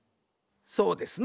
そうですな。